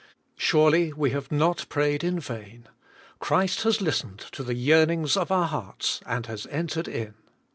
Surely we have not prayed in vain. Christ has listened to the yearnings of our hearts and has entered in.